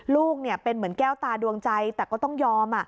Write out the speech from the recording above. ลูกเป็นเหมือนแก้วตาดวงใจแต่ก็ต้องยอม